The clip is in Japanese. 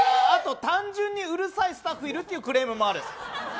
あと単純にうるさいスタッフいるっていうクレームもある。